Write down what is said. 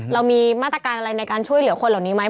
เรามีมาตรการอะไรในการช่วยเหลือคนเหล่านี้ไหม